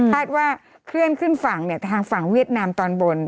ว่าเคลื่อนขึ้นฝั่งทางฝั่งเวียดนามตอนบน